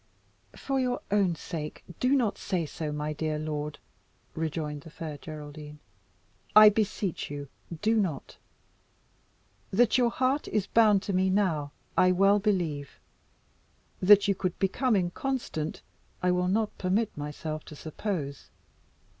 "For your own sake, do not say so, my dear lord," rejoined the Fair Geraldine; "I beseech you, do not. That your heart is bound to me now, I well believe and that you could become inconstant I will not permit myself to suppose.